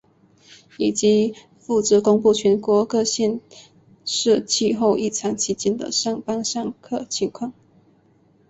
以及负责公布全国各县市气候异常期间的上班上课情况。